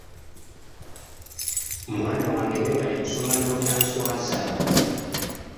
Mwana wange weebale kusoma, n'otanswaza